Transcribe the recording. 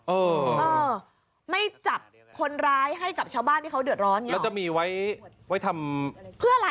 เออเออไม่จับคนร้ายให้กับชาวบ้านที่เขาเดือดร้อนไงแล้วจะมีไว้ไว้ทำเพื่ออะไร